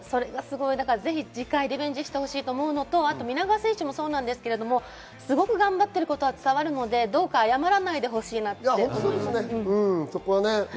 ぜひ次回リベンジしてほしいと思うのと、皆川選手もそうですが、すごく頑張っていることは伝わるのでどうか謝らないでほしいなと思います。